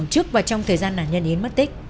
trước và trong thời gian nạn nhân yến mất tích